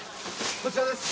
こちらです。